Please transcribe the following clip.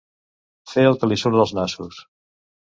Fer el que li surt dels nassos.